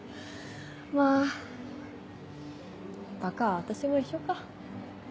まぁバカは私も一緒か。